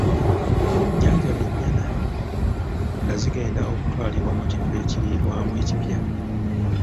Jjanjaba ennyana nga zigenda okutwalibwa mu kifo ekiriirwamu ekipya.